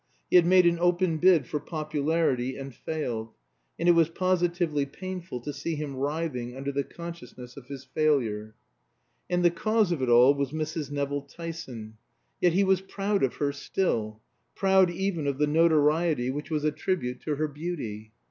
He had made an open bid for popularity and failed, and it was positively painful to see him writhing under the consciousness of his failure. And the cause of it all was Mrs. Nevill Tyson. Yet he was proud of her still; proud even of the notoriety which was a tribute to her beauty.